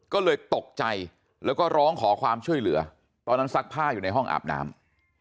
ก็เลยตกใจแล้วก็ร้องขอความช่วยเหลือตอนนั้นซักผ้าอยู่ในห้องอาบน้ำ